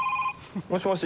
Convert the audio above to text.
もしもし。